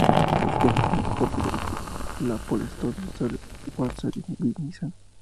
Las citas hacían de soporte a la por entonces World Series by Nissan.